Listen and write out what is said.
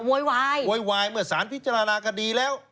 โวยวายโวยวายเมื่อสารพิจารณาคดีแล้ว